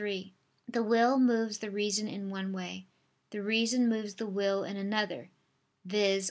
3: The will moves the reason in one way: the reason moves the will in another, viz.